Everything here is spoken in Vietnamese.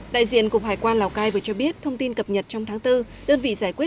đại diện cục hải quan lào cai vừa cho biết thông tin cập nhật trong tháng bốn đơn vị giải quyết